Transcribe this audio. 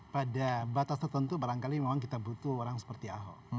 pada batas tertentu barangkali memang kita butuh orang seperti ahok